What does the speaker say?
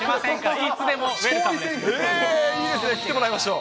いいですね、来てもらいましょう。